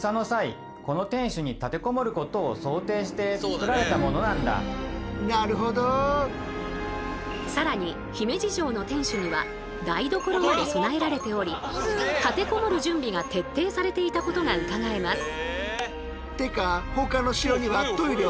姫路城の更に姫路城の天守には「台所」まで備えられており立てこもる準備が徹底されていたことがうかがえます。